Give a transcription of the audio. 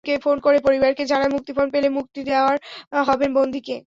Phone করে পরিবারকে জানায়, মুক্তিপণ পেলে মুক্ত করে দেওয়া হবে বন্দীকে।